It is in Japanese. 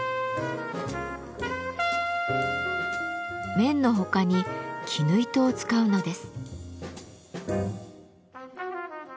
綿の他に絹糸を使うのです。